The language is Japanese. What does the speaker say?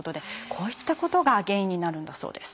こういったことが原因になるんだそうです。